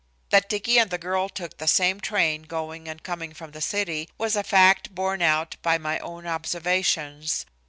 That Dicky and the girl took the same train, going and coming from the city, was a fact borne out by my own observations.